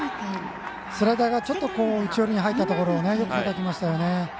スライダーがちょっと内寄りに入ったところよくたたきましたよね。